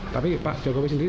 tapi pak jokowi sendiri